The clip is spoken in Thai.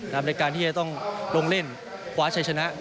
ในการที่ต้องลงเล่นควารใจชนะ